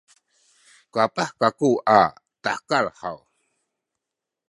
kapah kaku a tahekal haw?